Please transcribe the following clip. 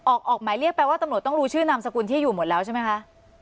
ออกออกหมายเรียกแปลว่าตำรวจต้องรู้ชื่อนามสกุลที่อยู่หมดแล้วใช่ไหมคะ